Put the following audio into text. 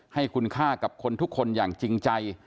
ให้คุณค่ากับคนทุกคนอย่างจริงใจ